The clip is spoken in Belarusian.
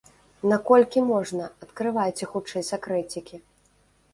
Наколькі можна, адкрывайце хутчэй сакрэцікі!!!